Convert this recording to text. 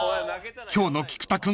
［今日の菊田君